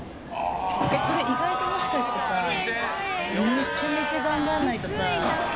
意外ともしかしてめちゃくちゃ頑張らないと。